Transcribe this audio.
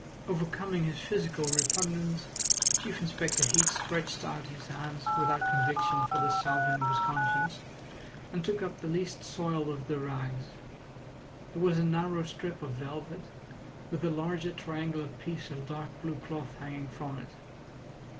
Overcoming his physical repugnance, Chief Inspector Heat stretched out his hand without conviction for the salving of his conscience, and took up the least soiled of the rags. It was a narrow strip of velvet with a larger triangular piece of dark blue cloth hanging from it.